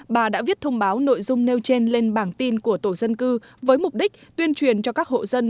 bà đã viết thông báo nội dung nêu trên lên bảng tin của tổ dân cư với mục đích tuyên truyền cho các hộ dân